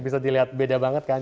bisa dilihat beda banget kan